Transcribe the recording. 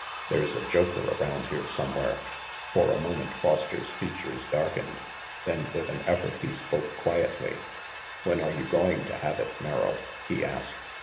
There's a joker around here somewhere." For a moment Foster's features darkened; then with an effort he spoke quietly. "When are you going to have it, Merrill?" he asked.